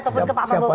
ataupun ke pak prabowo